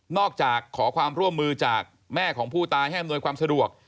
ขอความร่วมมือจากแม่ของผู้ตายให้อำนวยความสะดวก